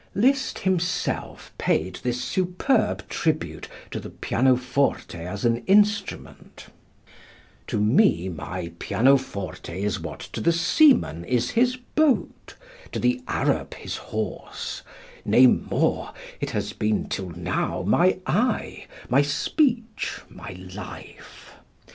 Liszt himself paid this superb tribute to the pianoforte as an instrument: "To me my pianoforte is what to the seaman is his boat, to the Arab his horse; nay, more, it has been till now my eye, my speech, my life.